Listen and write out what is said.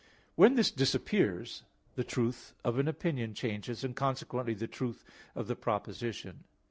When this disappears, the truth of an opinion changes, and consequently the truth of the proposition.